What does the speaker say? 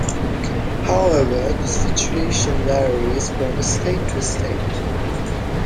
However, this situation varies from state-to-state.